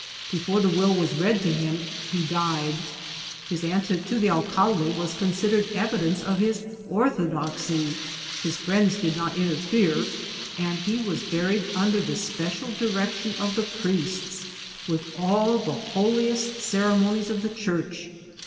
Before the will was read to him he died. His answer to the alcalde was considered evi dence of his orthodoxy ; his friends did not interfere, and he was buried under the special direction of the priests, with all the holiest ceremonies of the Church.